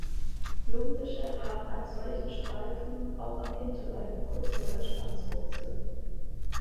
Jungfische haben einen solchen Streifen auch am Hinterleib kurz vor der Schwanzwurzel.